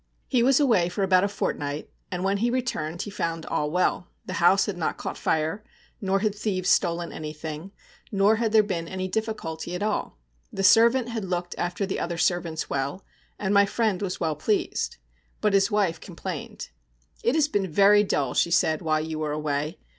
He was away for about a fortnight, and when he returned he found all well. The house had not caught fire, nor had thieves stolen anything, nor had there been any difficulty at all. The servant had looked after the other servants well, and my friend was well pleased. But his wife complained. 'It has been very dull,' she said, 'while you were away.